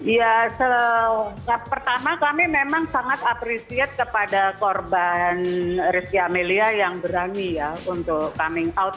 ya pertama kami memang sangat appreciate kepada korban rizky amelia yang berani ya untuk coming out